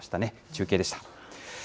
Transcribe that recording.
中継でした。